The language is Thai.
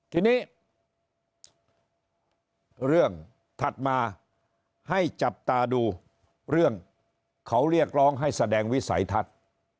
ทีนี้เรื่องถัดมาให้จับตาดูเรื่องเขาเรียกร้องให้แสดงวิสัยทัศน์